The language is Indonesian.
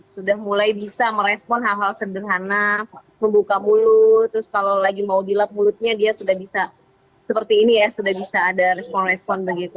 sudah mulai bisa merespon hal hal sederhana membuka mulut terus kalau lagi mau dilap mulutnya dia sudah bisa seperti ini ya sudah bisa ada respon respon begitu